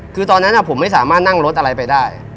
คือตอนนั้นผมไม่สามารถนั่งรถอะไรไปได้